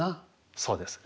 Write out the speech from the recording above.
そうですね。